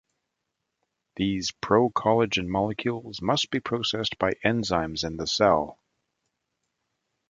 These procollagen molecules must be processed by enzymes in the cell.